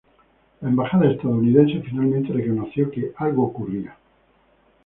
La embajada estadounidense finalmente reconoció que "algo ocurrió".